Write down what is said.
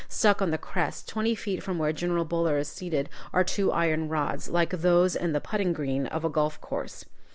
Stuck on the crest, twenty feet from where General Buller is seated, are two iron rods, like those in the putting green of a golf course.